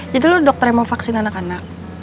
jadi lo dokter yang mau vaksin anak anak